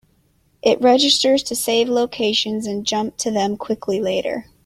It registers to save locations and jump to them quickly later.